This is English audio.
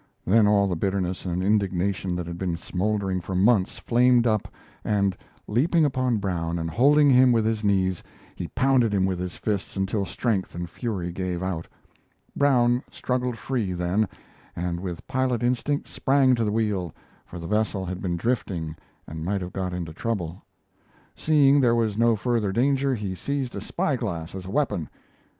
Then all the bitterness and indignation that had been smoldering for months flamed up, and, leaping upon Brown and holding him with his knees, he pounded him with his fists until strength and fury gave out. Brown struggled free, then, and with pilot instinct sprang to the wheel, for the vessel had been drifting and might have got into trouble. Seeing there was no further danger, he seized a spy glass as a weapon.